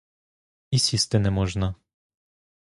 І сісти не можна!